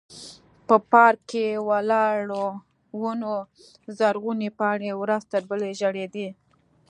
په پارک کې ولاړو ونو زرغونې پاڼې ورځ تر بلې ژړېدې.